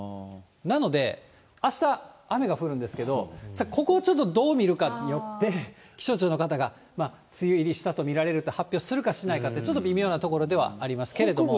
なので、あした雨が降るんですけど、ここをちょっとどう見るかによって、気象庁の方が梅雨入りしたと見られると発表するかしないかって、ちょっと微妙なところではありますけれども。